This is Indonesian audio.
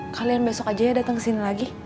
kalian besok aja ya dateng kesini lagi